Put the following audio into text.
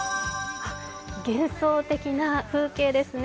幻想的な風景ですね。